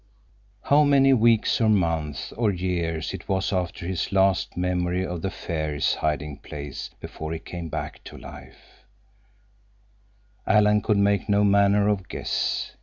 _" How many weeks or months or years it was after his last memory of the fairies' hiding place before he came back to life, Alan could make no manner of guess.